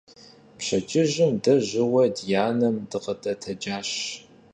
Пщэдджыжьым дэ жьыуэ ди анэм дыкъыдэтэджащ.